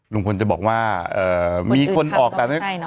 ลุงพลจะบอกว่ามีคนออกแบบ